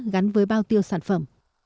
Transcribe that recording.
gắn với bao tiêu sản phẩm